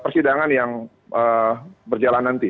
persidangan yang berjalan nanti